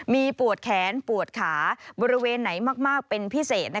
มีปวดแขนปวดขาบริเวณไหนมากเป็นพิเศษ